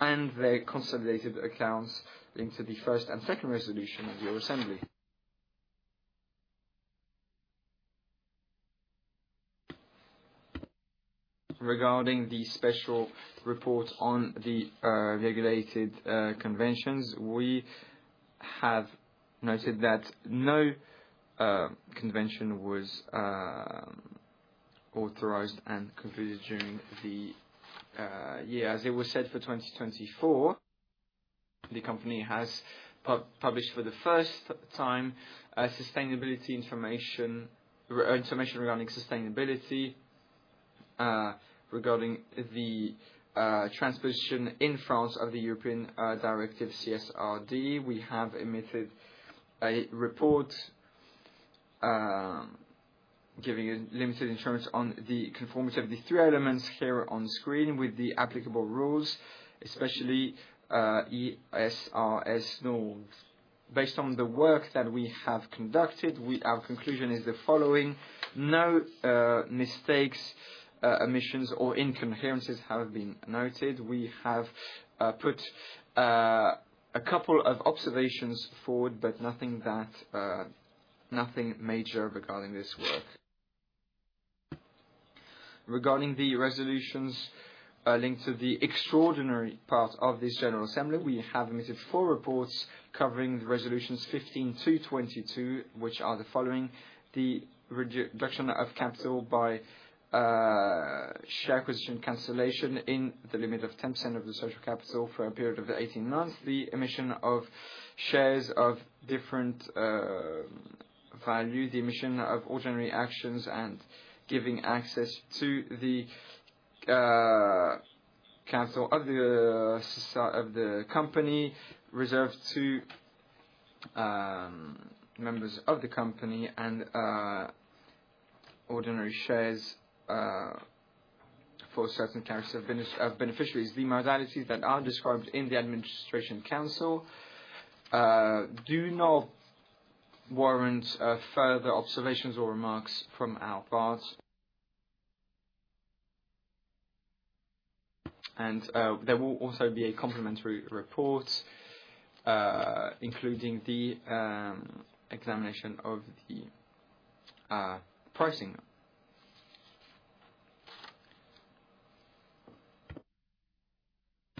and their consolidated accounts into the first and second resolution of your assembly. Regarding the special report on the regulated conventions, we have noted that no convention was authorized and concluded during the year. As it was said, for 2024, the company has published for the first time sustainability information regarding sustainability regarding the transposition in France of the European directive, CSRD. We have emitted a report giving a limited assurance on the conformance of the three elements here on screen with the applicable rules, especially ESRS norms. Based on the work that we have conducted, our conclusion is the following: No mistakes, omissions, or inconsistencies have been noted. We have put a couple of observations forward, but nothing major regarding this work. Regarding the resolutions linked to the extraordinary part of this general assembly, we have emitted four reports covering the resolutions 15-22, which are the following: the reduction of capital by share aquisition cancellation in the limit of 10% of the share capital for a period of 18 months, the emission of shares of different value, the emission of ordinary shares, and giving access to the capital of the company reserved to members of the company and ordinary shares for certain kinds of beneficiaries. The modalities that are described in the adminisration of council, do not warrant further observations or remarks from our part, and there will also be a complementary report including the examination of the pricing.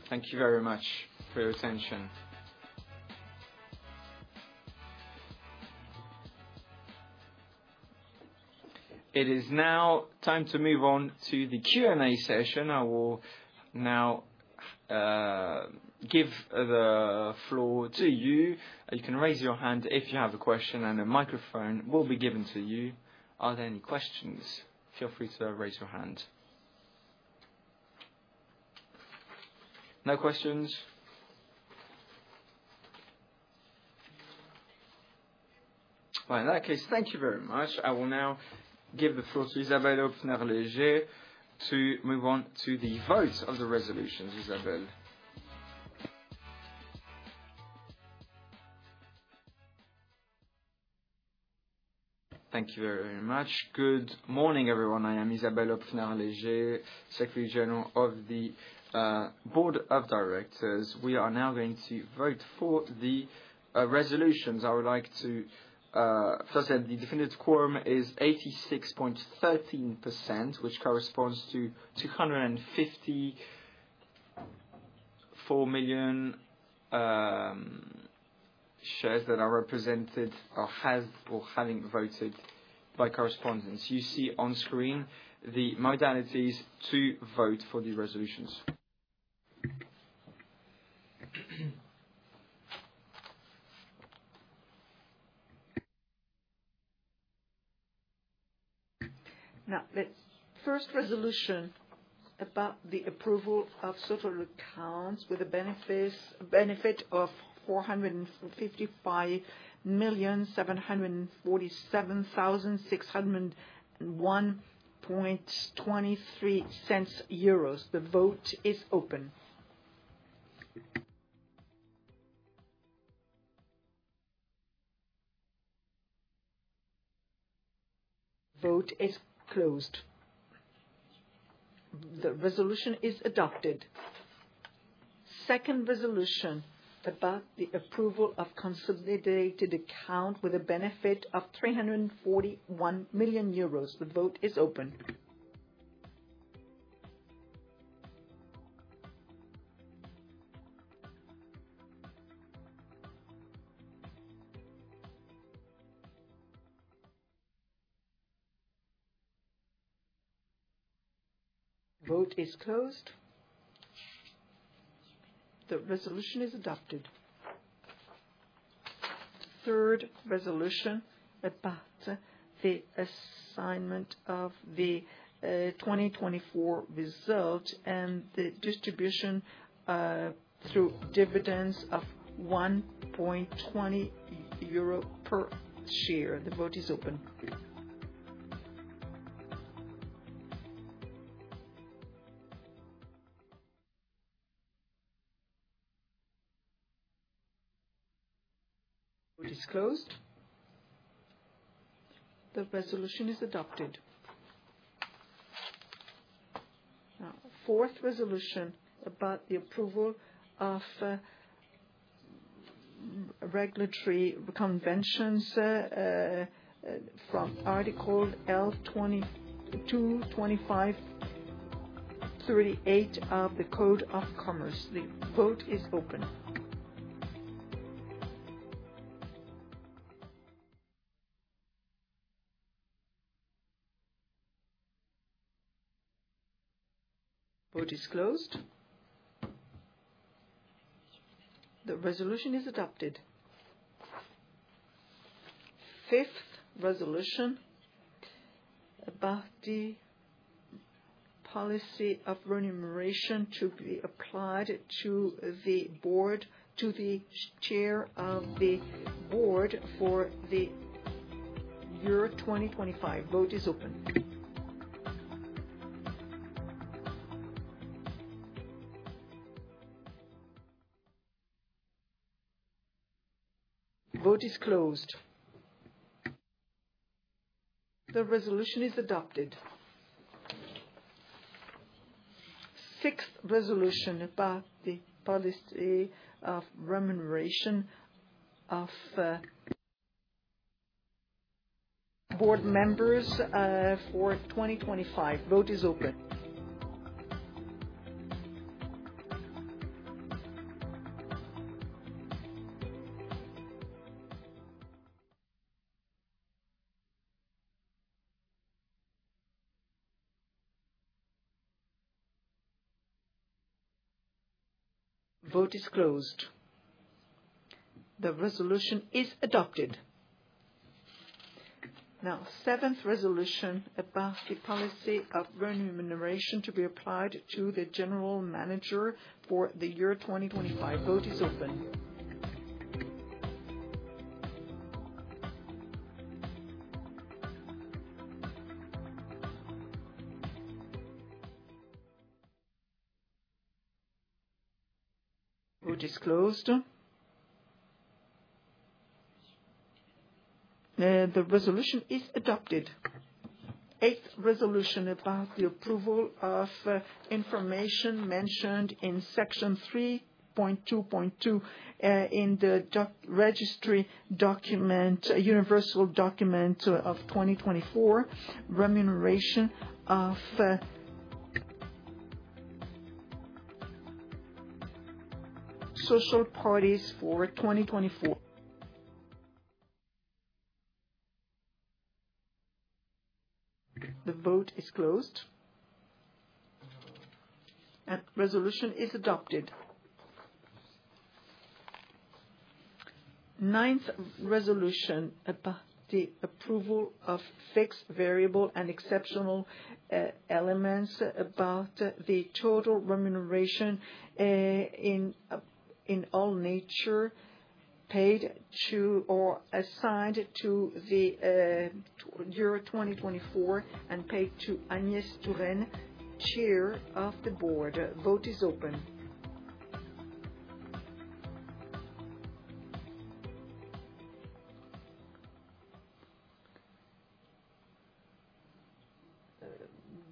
Thank you very much for your attention. It is now time to move on to the Q&A session. I will now give the floor to you. You can raise your hand if you have a question, and a microphone will be given to you. Are there any questions? Feel free to raise your hand. No questions? Well, in that case, thank you very much. I will now give the floor to Isabelle Hoepfner-Léger to move on to the vote of the resolutions. Isabelle? Thank you very, very much. Good morning, everyone. I am Isabelle Hoepfner-Léger, Secretary General of the Board of Directors. We are now going to vote for the resolutions. I would like to first say the definitive quorum is 86.13%, which corresponds to 254 million shares that are represented or have voted by correspondence. You see on screen the modalities to vote for the resolutions. Now, the first resolution about the approval of social accounts with a benefit of 455,747,601.23 euros. The vote is open. Vote is closed. The resolution is adopted. Second resolution about the approval of consolidated account with a benefit of 341 million euros. The vote is open. Vote is closed. The resolution is adopted. Third resolution about the assignment of the 2024 result and the distribution through dividends of 1.20 euro per share. The vote is open. Vote is closed. The resolution is adopted. Now, fourth resolution about the approval of regulatory conventions from Article L 22, 25, 38 of the Code of Commerce. The vote is open. Vote is closed. The resolution is adopted. Fifth resolution-... about the policy of remuneration to be applied to the Board, to the chair of the Board for the year 2025. Vote is open. Vote is closed. The resolution is adopted. Sixth resolution about the policy of remuneration of Board members for 2025. Vote is open. Vote is closed. The resolution is adopted. Now, seventh resolution about the policy of remuneration to be applied to the General Manager for the year 2025. Vote is open. Vote is closed. The resolution is adopted. Eighth resolution about the approval of information mentioned in section 3.2.2 in the registry document, universal document of 2024, remuneration of social parties for 2024. The vote is closed, and resolution is adopted. Ninth resolution about the approval of fixed, variable, and exceptional elements about the total remuneration in all nature, paid to or assigned to the year 2024 and paid to Agnès Touraine, Chair of the Board. Vote is open.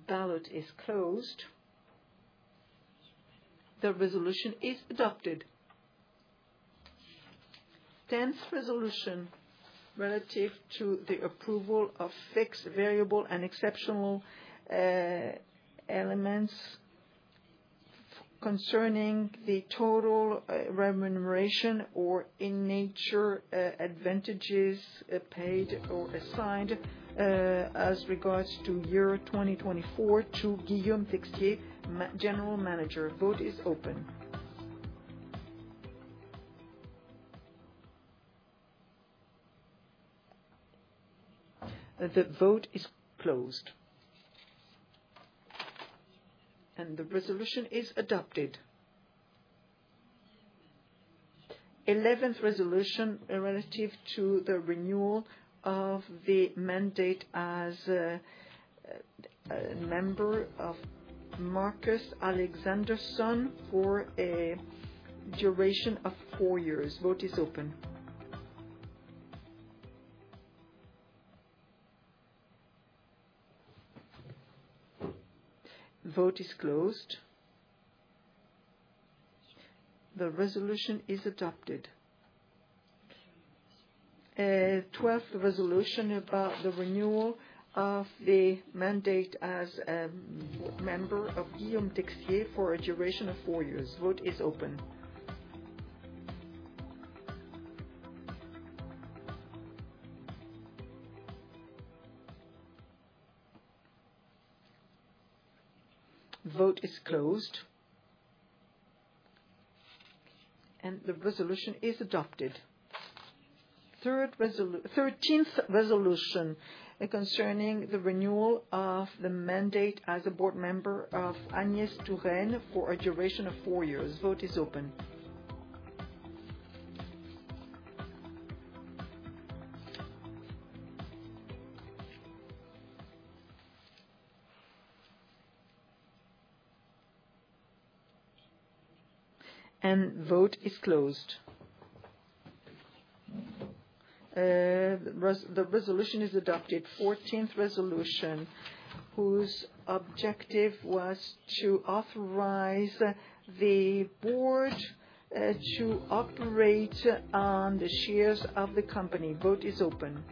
Ballot is closed. The resolution is adopted. 10th resolution relative to the approval of fixed, variable, and exceptional elements concerning the total remuneration or in-nature advantages paid or assigned as regards to year 2024 to Guillaume Texier, General Manager. Vote is open. The vote is closed. The resolution is adopted. 11th resolution relative to the renewal of the mandate as a member of Marcus Alexanderson for a duration of four years. Vote is open. Vote is closed. The resolution is adopted. 12fth resolution about the renewal of the mandate as member of Guillaume Texier for a duration of four years. Vote is open. Vote is closed, and the resolution is adopted. 13th resolution concerning the renewal of the mandate as a Board member of Agnès Touraine for a duration of four years. Vote is open, and vote is closed. The resolution is adopted. 14th resolution, whose objective was to authorize the Board to operate on the shares of the company. Vote is open,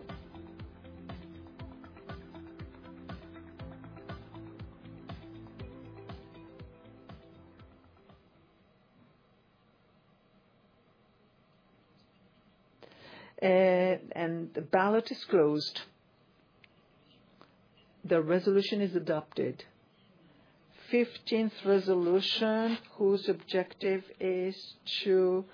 and the ballot is closed. The resolution is adopted. 15th resolution, whose objective is to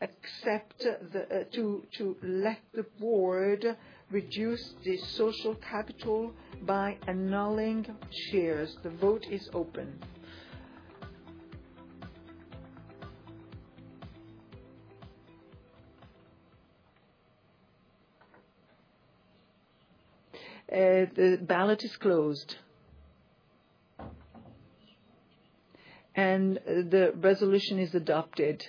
accept the, to let the Board reduce the social capital by annulling shares. The vote is open. The ballot is closed, and the resolution is adopted.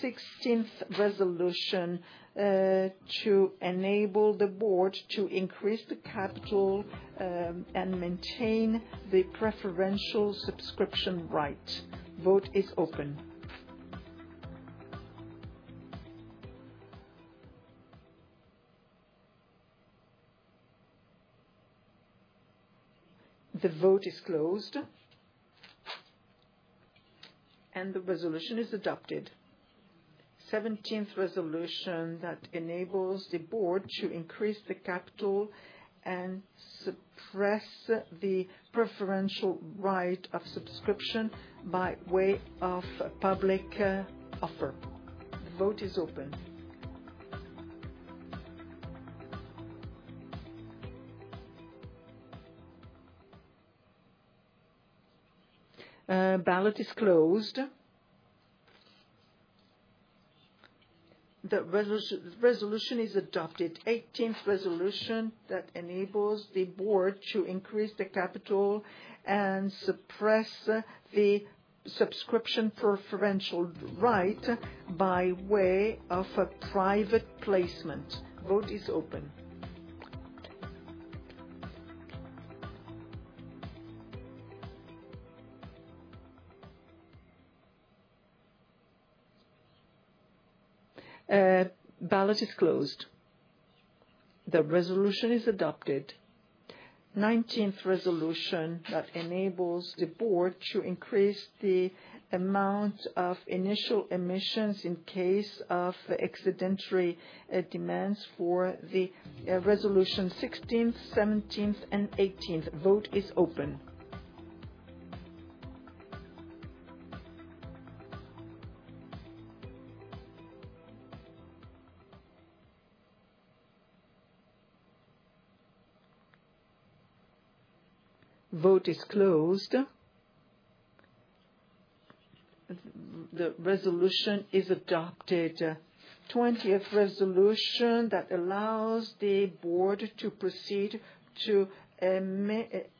16th resolution to enable the Board to increase the capital and maintain the preferential subscription right. Vote is open. The vote is closed, and the resolution is adopted. 17th resolution that enables the Board to increase the capital and suppress the preferential right of subscription by way of a public offer. The vote is open. Ballot is closed. The resolution is adopted. 18th resolution that enables the Board to increase the capital and suppress the subscription preferential right by way of a private placement. Vote is open. Ballot is closed. The resolution is adopted. 19th resolution that enables the Board to increase the amount of initial issuances in case of excess demands for the resolutions 16th, 17th, and 18th. Vote is open. Vote is closed. The resolution is adopted. 20th resolution that allows the Board to proceed to emit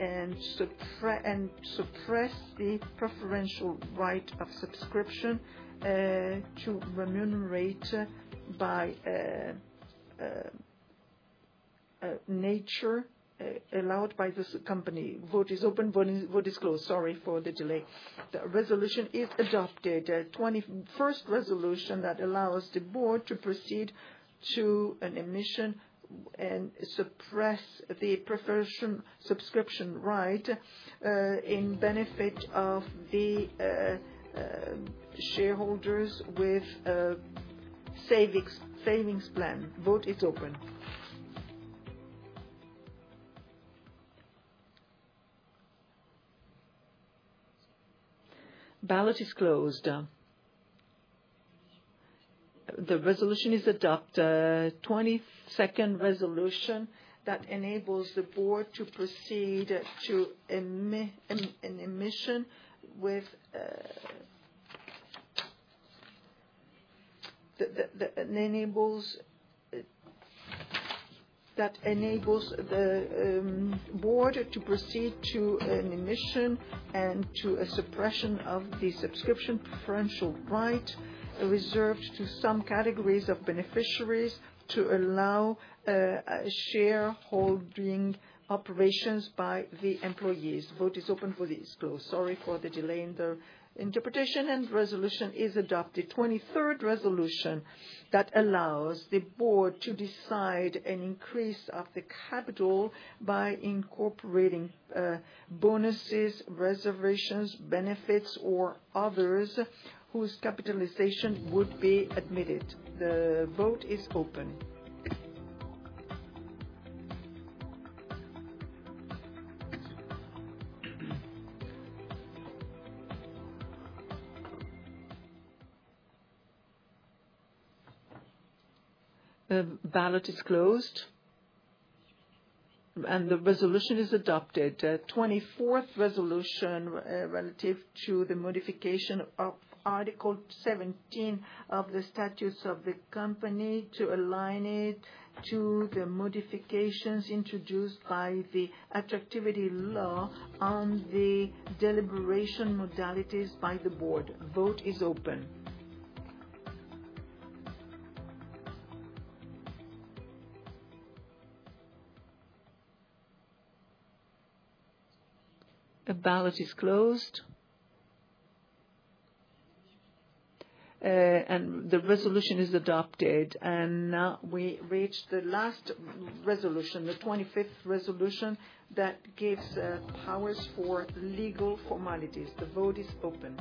and suppress the preferential right of subscription to remunerate by nature allowed by this company. Vote is open. Vote is closed. Sorry for the delay. The resolution is adopted. 21st resolution that allows the Board to proceed to an emission and suppress the preference subscription right in benefit of the shareholders with savings plan. Vote is open. Ballot is closed. The resolution is adopted. 22nd resolution that enables the Board to proceed to an emission and to a suppression of the subscription preferential right, reserved to some categories of beneficiaries to allow shareholding operations by the employees. Vote is open. Vote is closed. Sorry for the delay in the interpretation, and resolution is adopted. 23rd resolution that allows the Board to decide an increase of the capital by incorporating, bonuses, reservations, benefits, or others whose capitalization would be admitted. The vote is open. The ballot is closed, and the resolution is adopted. 24th resolution, relative to the modification of Article 17 of the statutes of the company, to align it to the modifications introduced by the Attractivity Law on the deliberation modalities by the Board. Vote is open. The ballot is closed, and the resolution is adopted. And now we reach the last resolution, the 25th resolution, that gives, powers for legal formalities. The vote is open.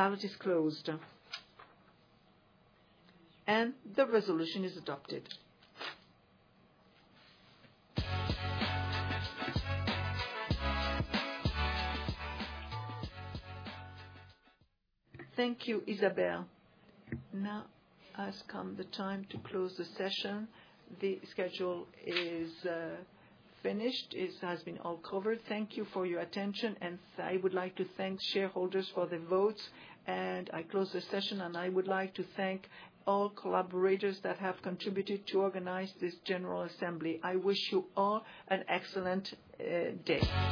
The ballot is closed, and the resolution is adopted. Thank you, Isabelle. Now has come the time to close the session. The schedule is finished. It has been all covered. Thank you for your attention, and I would like to thank shareholders for the votes. I close the session, and I would like to thank all collaborators that have contributed to organize this general assembly. I wish you all an excellent day.